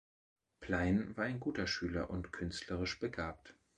Plein war ein guter Schüler und künstlerisch begabt.